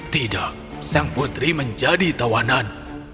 tidak sang putri menjadi tawanan